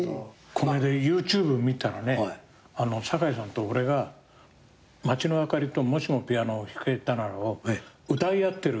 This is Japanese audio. この間ＹｏｕＴｕｂｅ見たらね堺さんと俺が『街の灯り』と『もしもピアノが弾けたなら』を歌い合ってる。